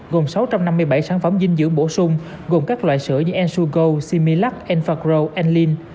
gồm sáu trăm năm mươi bảy sản phẩm dinh dưỡng bổ sung gồm các loại sữa như ensugo similac enfagro enlin